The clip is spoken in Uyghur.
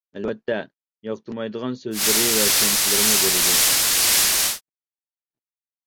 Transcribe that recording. ئەلۋەتتە، ياقتۇرمايدىغان سۆزلىرى ۋە چۈشەنچىلىرىمۇ بولىدۇ.